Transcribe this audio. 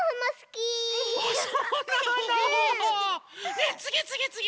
ねえつぎつぎつぎ！